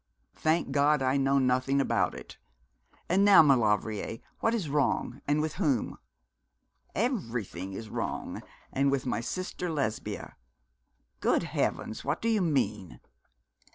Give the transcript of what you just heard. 'Thank God, I know nothing about it. And now, Maulevrier, what is wrong, and with whom?' 'Everything is wrong, and with my sister Lesbia.' 'Good heavens! what do you mean?'